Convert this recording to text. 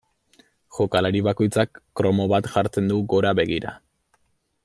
Jokalari bakoitzak kromo bat jartzen du gora begira.